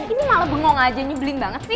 ini malah bengong aja nyebelin banget sih